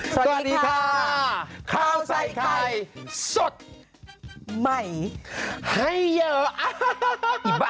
สวัสดีค่ะข้าวใส่ไข่สดใหม่ให้เยอะ